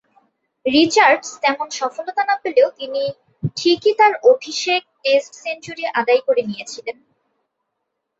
Richards তেমন সফলতা না পেলেও তিনি ঠিকই তার অভিষেক টেস্ট সেঞ্চুরি আদায় করে নিয়েছিলেন।